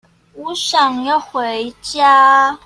我想要回家